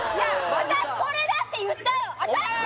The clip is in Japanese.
私これだって言ったよ！